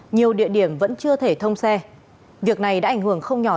nhiều địa điểm vẫn chưa thể thông xe việc này đã ảnh hưởng không nhỏ